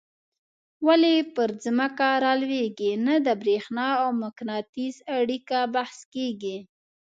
ولي پر ځمکه رالویږي نه د برېښنا او مقناطیس اړیکه بحث کیږي.